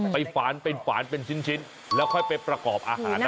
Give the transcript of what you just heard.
ไปฝาญเป็นฝาญเป็นชิ้นแล้วค่อยไปประกอบอาหารนะครับ